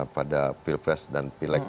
pada pilpres dan pilek